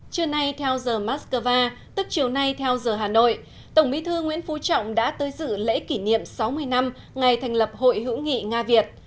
trưa nay theo giờ moscow tức chiều nay theo giờ hà nội tổng bí thư nguyễn phú trọng đã tới dự lễ kỷ niệm sáu mươi năm ngày thành lập hội hữu nghị nga việt